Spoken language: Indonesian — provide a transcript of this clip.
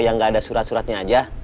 yang gak ada surat suratnya aja